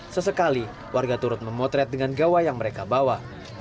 sesekali warga turut memotret dengan gawai yang mereka bawa